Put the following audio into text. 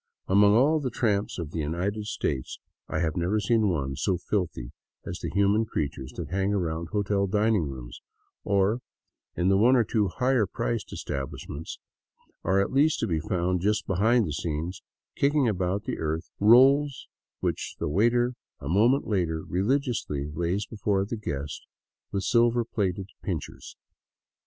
Among all the tramps of the United States i6i VAGABONDING DOWN THE ANDES I have never seen one so filthy as the human creatures that hang around hotel dining rooms, or, in the one or two higher priced establishments, are at least to be found just behind the scenes, kicking about the earth floor the rolls which the waiter a moment later religiously lays before the guest with silver plated pincers.